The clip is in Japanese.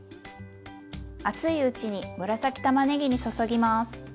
熱いうちに紫たまねぎに注ぎます。